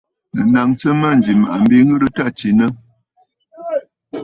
Nɨ̀ naŋsə mânjì M̀màꞌàmb ŋ̀ghɨrə t à tsinə!.